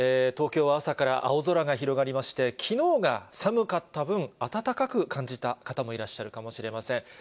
東京は朝から青空が広がりまして、きのうが寒かった分、暖かく感じた方もいらっしゃるかもしれません。